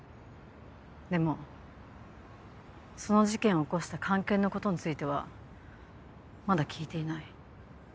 でもその事件を起こした菅研のことについてはまだ聞いていない。